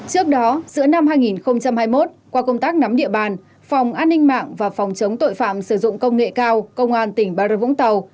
trước đó giữa năm hai nghìn hai mươi một qua công tác nắm địa bàn phòng an ninh mạng và phòng chống tội phạm sử dụng công nghệ cao công an tỉnh bà rập vũng tàu